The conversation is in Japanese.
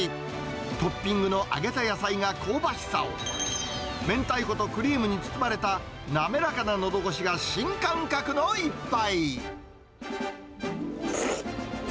トッピングの揚げた野菜が香ばしさを、明太子とクリームに包まれた滑らかなのどごしが新感覚の一杯。